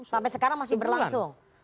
sampai sekarang masih berlangsung